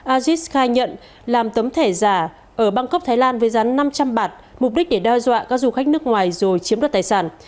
aziz khai nhận làm tấm thẻ giả ở bangkok thái lan với giá năm trăm linh bạt mục đích để đe dọa các du khách nước ngoài rồi chiếm đoạt tài sản